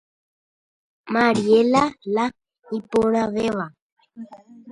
Mariela la iporãvéva.